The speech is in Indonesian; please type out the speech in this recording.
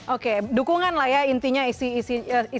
oke dukungan lah ya isi surat tersebut